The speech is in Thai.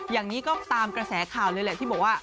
อย่างนี้ก็ตามกระแสข่าวเลยแหละที่บอกว่า